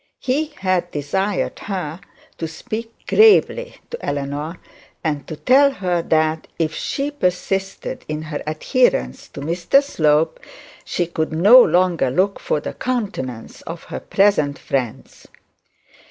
He had desired her to speak gravely to Eleanor, and to tell her that, if she persisted in her adherence to Mr Slope, she could no longer look for the countenance of her present friends.